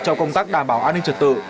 trong công tác đảm bảo an ninh trật tự